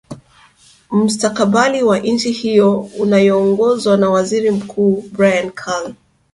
mustakabali wa nchi hiyo inayoongozwa na waziri mkuu brian carl